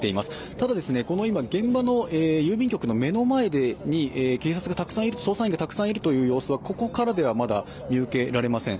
ただ、今、現場の郵便局の目の前に捜査員がたくさんいるという様子がここからではまだ見受けられません。